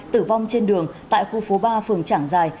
tử vong trên đường tại khu phố ba phường trảng giài